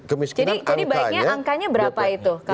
kemiskinan angkanya jadi baiknya angkanya berapa itu